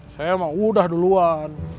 saya mah udah duluan